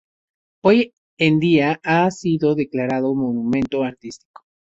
Hoy en día ha sido declarado monumento artístico.